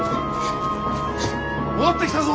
戻ってきたぞ。